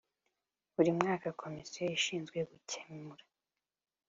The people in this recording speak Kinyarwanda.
buri mwaka komisiyo ishizwe gukemura